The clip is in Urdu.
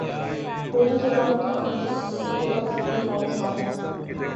اردو زبان تو آنی چاہیے اردو پاکستان کی قومی زبان ہے